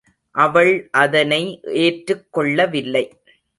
அவள் அதனை ஏற்றுக் கொள்ளவில்லை.